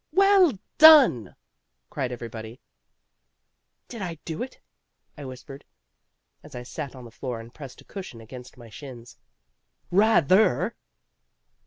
"Well done," cried everybody. "Did I do it?" I whispered, as I sat on the floor and pressed a cushion against my shins. "Rather!"